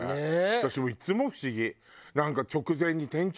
私もいつも不思議。